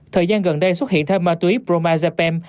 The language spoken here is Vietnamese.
thời gian gần đây xuất hiện thêm ma túy bromazepam